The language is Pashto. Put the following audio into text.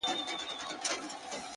• فیصله د خلقت وکړه د انسان ,